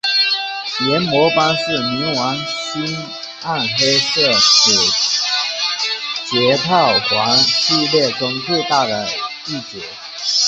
炎魔斑是冥王星暗黑色指节套环系列中最大的一节。